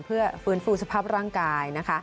เพื่อฟื้นฟูสภาพร่างกายนะคะ